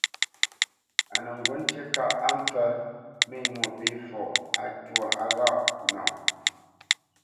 A nə ŋgǔ ŋtí kâʼ á mpfə́ mé Mwôpéfɔ á twâ á ghâʼ nɔ.